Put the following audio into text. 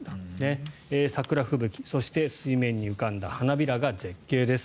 桜吹雪、そして水面に浮かんだ花びらが絶景です。